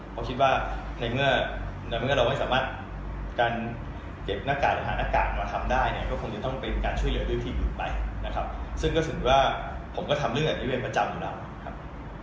เพราะคิดว่าในเมื่อในเมื่อเราไม่สามารถการเก็บหน้ากากหรือหาหน้ากากมาทำได้เนี่ยก็คงจะต้องเป็นการช่วยเหลือด้วยที่อยู่ไปนะครับซึ่งก็ถือว่าผมก็ทำเรื่องแบบนี้เป็นประจำอยู่แล้วนะครับ